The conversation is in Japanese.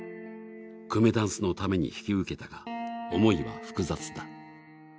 くめだんすのために引き受けたが思いは複雑だ。